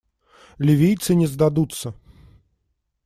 Ливийцы не сдадутся.